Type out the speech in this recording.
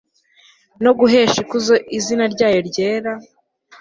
no guhesha ikuzo izina ryayo ryera